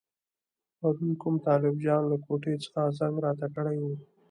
پرون کوم طالب جان له کوټې څخه زنګ راته کړی وو.